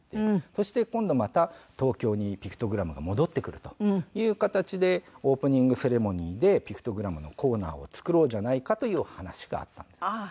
そして今度また東京にピクトグラムが戻ってくるという形でオープニングセレモニーでピクトグラムのコーナーを作ろうじゃないかというお話があったんです。